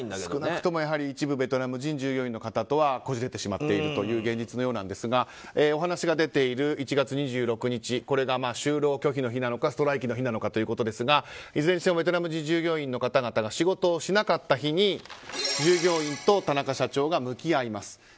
少なくとも一部ベトナム人従業員の方とはこじれてしまっているという現実のようなんですがお話が出ている１月２６日これが就労拒否の日なのかストライキの日なのかということですがいずれにしてもベトナム人従業員の方々が仕事をしなかった日に従業員と田中社長が向き合います。